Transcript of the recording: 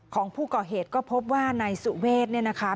ของผู้ก่อเหตุก็พบว่านายสุเวทเนี่ยนะคะ